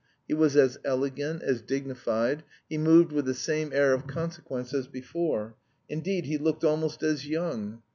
He was as elegant, as dignified, he moved with the same air of consequence as before, indeed he looked almost as young.